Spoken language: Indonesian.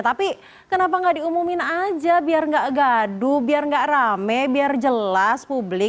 tapi kenapa gak diumumin aja biar gak gaduh biar gak rame biar jelas publik